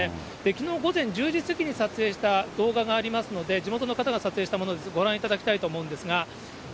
きのう午前１０時過ぎに撮影した動画がありますので、地元の方が撮影したものです、ご覧いただきたいと思うんですが。